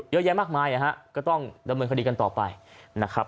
เยอะแยะมากมายนะฮะก็ต้องดำเนินคดีกันต่อไปนะครับ